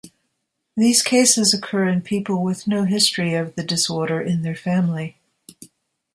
These cases occur in people with no history of the disorder in their family.